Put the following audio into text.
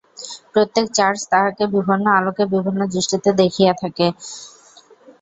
প্রত্যেক চার্চ তাঁহাকে বিভিন্ন আলোকে বিভিন্ন দৃষ্টিতে দেখিয়া থাকে।